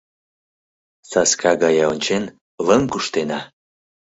Саска гае ончен, лыҥ куштена!